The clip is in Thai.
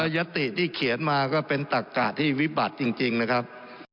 ยัตติที่เขียนมาก็เป็นตักกะที่วิบัติจริงนะครับ